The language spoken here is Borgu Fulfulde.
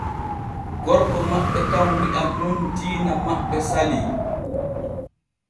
Gorko maɓɓe kan wi’an nun diina maɓɓe salii.